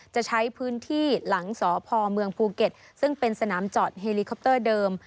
จะใช้พื้นที่หลังสพเมืองภูเก็ตซึ่งเป็นสนามจอดเฮลิคอปเตอร์เดิม